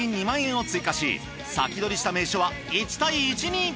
２万円を追加し先取りした名所は１対１に。